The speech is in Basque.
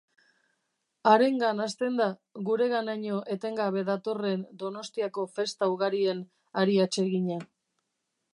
Harengan hasten da gureganaino etengabe datorren Donostiako festa ugarien hari atsegina.